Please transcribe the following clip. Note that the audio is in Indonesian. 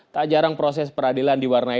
tak jarang proses peradilan diwarnai